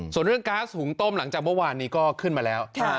ส่วนเรื่องก๊าซหุงต้มหลังจากเมื่อวานนี้ก็ขึ้นมาแล้ว